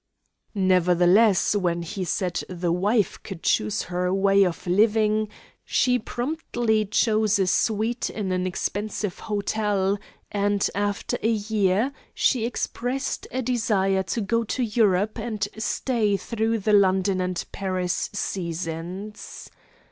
Nevertheless, when he said the wife could choose her way of living, she promptly chose a suite in an expensive hotel, and, after a year, she expressed a desire to go to Europe and stay through the London and Paris seasons.